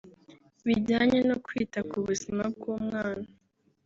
bijyanye no kwita ku buzima bw’umwana